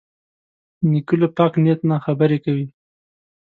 نیکه له پاک نیت نه خبرې کوي.